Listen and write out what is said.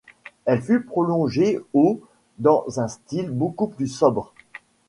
Elle fut prolongée au dans un style beaucoup plus sobre.